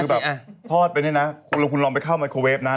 คือแบบทอดไปเนี่ยนะคุณลองไปเข้าไมโครเวฟนะ